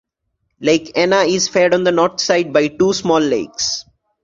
Lake Anna is fed on the north side by two small lakes.